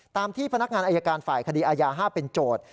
ตามที่พนักงานอายการฝ่ายคดีอายา๕เป็นโจทย์